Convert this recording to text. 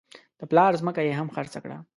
د پلار ځمکه یې هم خرڅه کړه.